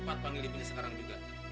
sempat panggil ibunya sekarang juga